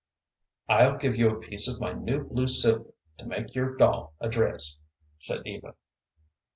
"I'll give you a piece of my new blue silk to make your doll a dress," said Eva.